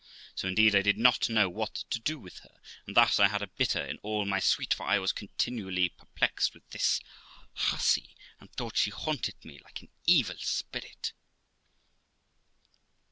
So, indeed, I did not know what to do with her; and thus I had a bitter in all my sweet, for I was continually perplexed with this hussy, and thought she haunted me like an evil spirit.